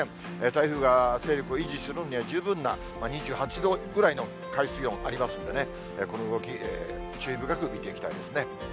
台風が勢力を維持するのには十分な、２８度ぐらいの海水温ありますんでね、この動き、注意深く見ていきたいですね。